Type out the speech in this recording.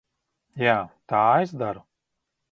Jā, tā es daru.